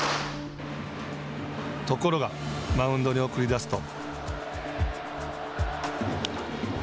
ところが、マウンドに送り出すと。